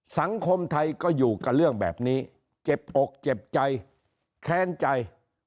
สังคมไทยก็อยู่กับเรื่องแบบนี้เจ็บอกเจ็บใจแค้นใจ